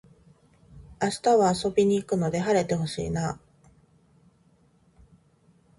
明日は遊びに行くので晴れて欲しいなあ